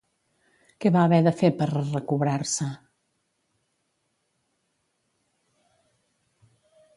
Què va haver de fer per a recobrar-se?